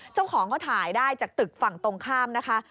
เจ้าของเขาถ่ายได้จากตึกฝั่งตรงข้ามนะคะ